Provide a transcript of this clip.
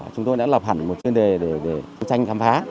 chúng tôi đã lập hẳn một chuyên đề để đấu tranh khám phá